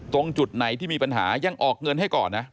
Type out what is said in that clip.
ตรงจุดไหนที่มีปัญหายังออกเงินให้ก่อนนะ